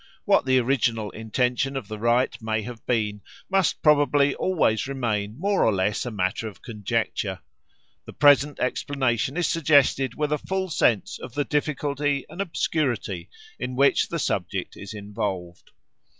What the original intention of the rite may have been must probably always remain more or less a matter of conjecture. The present explanation is suggested with a full sense of the difficulty and obscurity in which the subject is involved.